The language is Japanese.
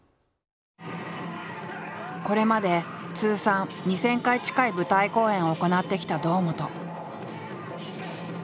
これまで通算２，０００回近い舞台公演を行ってきた堂本。